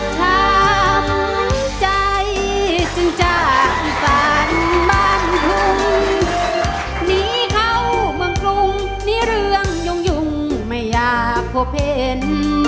ถ้าผู้ใจจนจากฝ่านบ้านพรุงหนีเข้าเมืองกรุงมีเรื่องยุ่งยุ่งไม่อยากพบเห็น